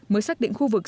mới xác định khu vực